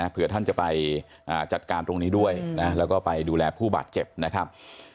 เพื่อท่านจะไปจัดการตรงนี้ด้วยนะแล้วก็ไปดูแลผู้บาดเจ็บนะครับ